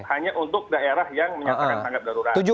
hanya untuk daerah yang menyatakan tanggap darurat